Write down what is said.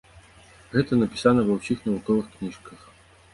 Гэта напісана ва ўсіх навуковых кніжках.